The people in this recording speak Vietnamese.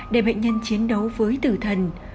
để bệnh nhân chiến đấu với tử thần